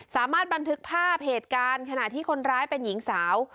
สามารถบันทึกภาพเหตุการณ์ขณะที่คนร้ายเป็นหญิงสาว